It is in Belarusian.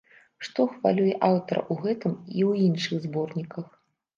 Што хвалюе аўтара ў гэтым і ў іншых зборніках?